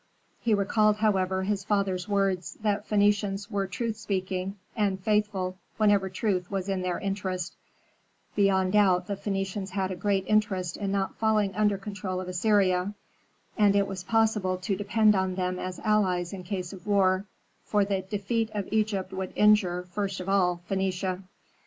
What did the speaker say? He recalled, however, his father's words, that Phœnicians were truth speaking and faithful whenever truth was in their interest. Beyond doubt the Phœnicians had a great interest in not falling under control of Assyria. And it was possible to depend on them as allies in case of war, for the defeat of Egypt would injure, first of all, Phœnicia.